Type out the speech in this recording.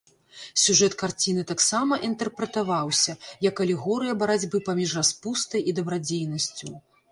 Сюжэт карціны таксама інтэрпрэтаваўся, як алегорыя барацьбы паміж распустай і дабрадзейнасцю.